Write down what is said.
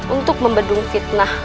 untuk membedung fitnah